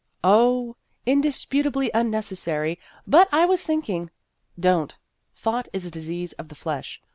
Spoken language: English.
" Oh, indisputably unnecessary, but I was thinking " Don't. ' Thought is a disease of the flesh.'